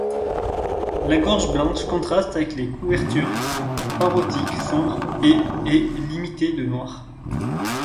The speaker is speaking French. La gorge blanche contraste avec les couvertures parotiques sombres et est limitée de noir.